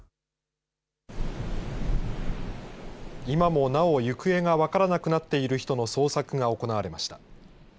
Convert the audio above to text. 今もなお、行方が分からなくなっている人の捜索が行われました。